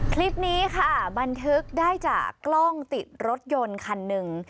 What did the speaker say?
คลิปนี้ค่ะบันทึกได้จากกล้องติดรถยนต์คันหนึ่ง